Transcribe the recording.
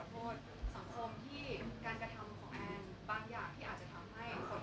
คอนเซ็ปท์ที่แบบเป็นเหมือนความฝันของเราชีวิตของแอนส่วนมากจะเป็นเรื่องมอเตยอะครับ